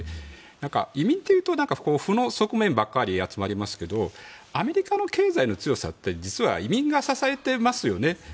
移民というと負の側面ばかり集まりますけどアメリカの経済の強さって実は移民が支えてますよね。